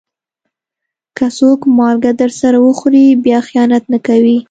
که څوک مالګه درسره وخوري، بیا خيانت نه کوي.